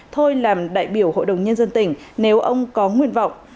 thôi làm đại biểu hội đồng nhân dân tỉnh nếu ông có nguyện vọng